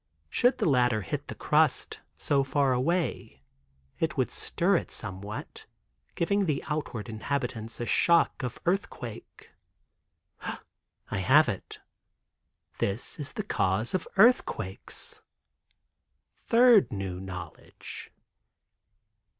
Should the latter hit the crust, so far away, it would stir it somewhat, giving the outward inhabitants a shock of earthquake. I have it—this is the cause of earthquakes. Third new knowledge.